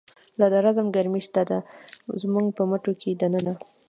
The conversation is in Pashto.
لا د رزم گرمی شته ده، زمونږ په مټو کی د ننه